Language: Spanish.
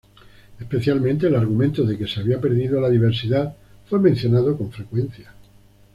Especialmente el argumento de que se había perdido la diversidad fue mencionado con frecuencia.